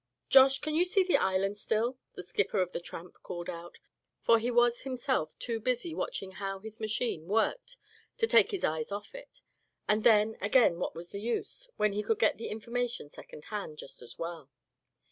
"Josh, can you see the island still?" the skipper of the Tramp called out, for he was himself too busy watching how his machine worked to take his eyes off it; and then, again, what was the use, when he could get the information second hand just as well.